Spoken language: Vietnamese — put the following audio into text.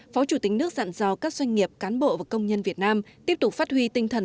phó chủ tịch nước dặn do các doanh nghiệp cán bộ và công nhân việt nam tiếp tục phát huy tinh thần